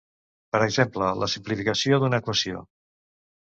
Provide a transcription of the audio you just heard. Per exemple: la simplificació d'una equació.